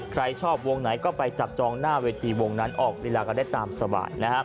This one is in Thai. ใครชอบวงไหนก็ไปจับจองหน้าเวทีวงนั้นออกลีลากันได้ตามสบาย